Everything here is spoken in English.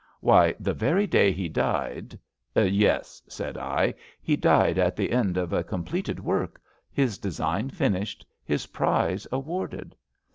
Why, the very day he died ..."Yes," said I. He died at the end of a completed work — ^his design finished, his prize awarded?